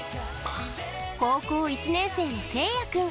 高校１年生のせいや君。